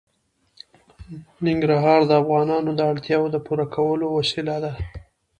ننګرهار د افغانانو د اړتیاوو د پوره کولو وسیله ده.